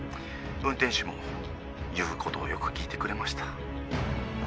運転手も言うことをよく聞いてくれました。